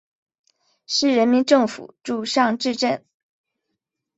市人民政府驻尚志镇。